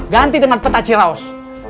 ganti dengan peta ciraos